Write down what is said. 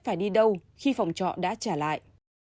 phải đi đâu khi phòng trọ đã trả lại